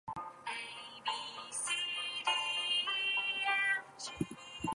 Bill Carter from "The New York Times" said Rebecca was "hard-on-the-outside-mush-on-the-inside".